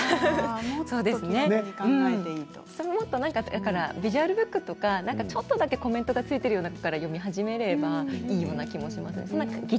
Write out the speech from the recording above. だからビジュアルブックとかちょっとだけコメントが付いているようなものから読み始めるといいと思います。